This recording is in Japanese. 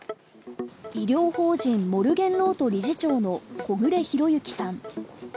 医療法人・モルゲンロート理事長の小暮裕之さん。